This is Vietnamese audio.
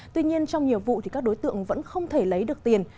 tuy nhiên trong nhiều vụ các đối tượng vẫn không thể lấy được tiền